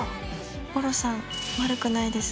吾良さん、悪くないです。